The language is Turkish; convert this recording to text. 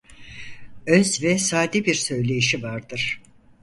Öz ve sade bir söyleyişi vardır.